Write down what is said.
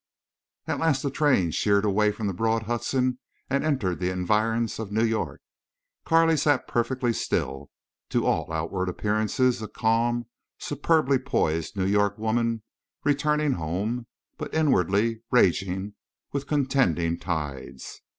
At last the train sheered away from the broad Hudson and entered the environs of New York. Carley sat perfectly still, to all outward appearances a calm, superbly poised New York woman returning home, but inwardly raging with contending tides.